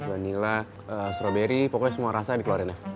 vanilla strawberry pokoknya semua rasa dikeluarin ya